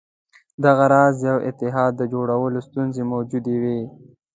دغه راز یوه اتحاد د جوړولو ستونزې موجودې وې.